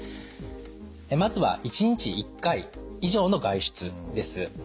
まずは「１日１回以上の外出」です。